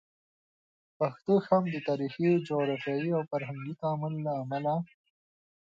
پښتو هم د تاریخي، جغرافیایي او فرهنګي تعامل له امله